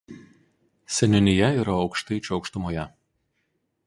Seniūnija yra Aukštaičių aukštumoje.